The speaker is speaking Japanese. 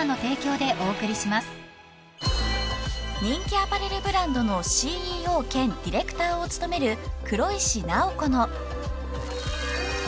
［人気アパレルブランドのＣＥＯ兼ディレクターを務める］